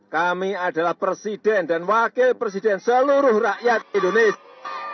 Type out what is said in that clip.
kami adalah presiden dan wakil presiden seluruh rakyat indonesia